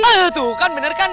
oh tuh kan bener kan